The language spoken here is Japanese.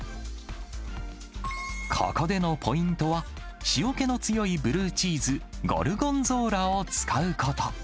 ここでのポイントは、塩気の強いブルーチーズ、ゴルゴンゾーラを使うこと。